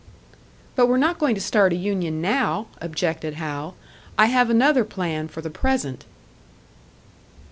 "But we're not going to start a union now!" objected Hal. "I have another plan for the present."